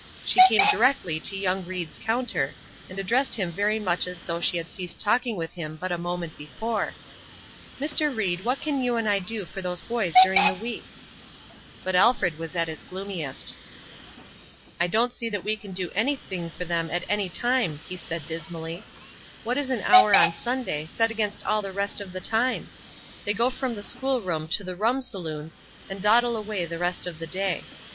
She came directly to young Ried's counter, and addressed him very much as though she had ceased talking with him but a moment before: "Mr. Ried, what can you and I do for those boys during the week?" But Alfred was at his gloomiest. "I don't see that we can do anything for them at any time," he said, dismally. "What is an hour on Sunday, set against all the rest of the time? They go from the school room to the rum saloons, and dawdle away the rest of the day.